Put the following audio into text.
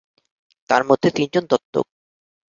তাঁর মধ্যে তিনজন দত্তক।